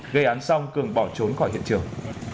gây án xong cường bỏ trốn khỏi hiện trường